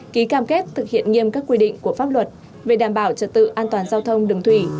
ký cam kết thực hiện nghiêm các quy định của pháp luật về đảm bảo trật tự an toàn giao thông đường thủy